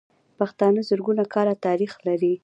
پښتانه زرګونه کاله تاريخ لري.